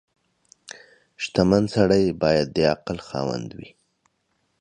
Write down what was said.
• شتمن سړی باید د عقل خاوند وي.